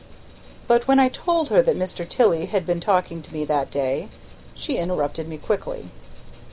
But when I told her that Mr. Tilley had been talking to me that day, she interrupted me quickly.